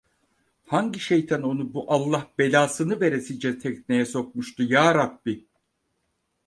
Hangi şeytan onu bu Allah belasını veresice tekneye sokmuştu yarabbi?